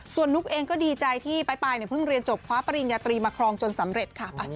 ส่วนนุ๊กเองก็ดีใจที่ปลายเพิ่งเรียนจบคว้าปริญญาตรีมาครองจนสำเร็จค่ะ